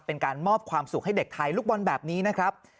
เป็นการมอบความสุขให้เด็กไทยลูกบอลแบบนี้นะครับ